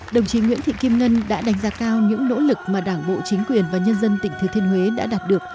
đồng chí nguyễn thị kim ngân đã đánh giá cao những nỗ lực mà đảng bộ chính quyền và nhân dân tỉnh thừa thiên huế đã đạt được